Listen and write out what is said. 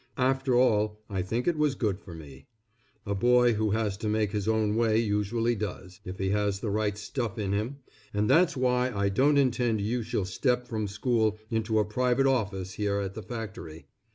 After all I think it was good for me. A boy who has to make his own way usually does, if he has the right stuff in him, and that's why I don't intend you shall step from school into a private office here in the factory.